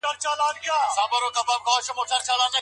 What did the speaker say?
رسول اکرم په دې اړه نور څه فرمايلي دي؟